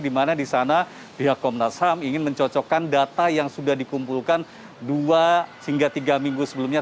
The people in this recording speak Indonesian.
di mana di sana pihak komnas ham ingin mencocokkan data yang sudah dikumpulkan dua hingga tiga minggu sebelumnya